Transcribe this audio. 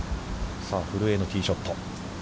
さあ古江のティーショット。